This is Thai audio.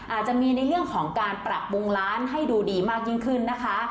อาจจะมีในเรื่องของการปรับปรุงร้านให้ดูดีมากยิ่งขึ้นนะคะ